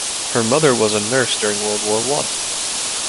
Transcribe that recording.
Her mother was a nurse during World War One.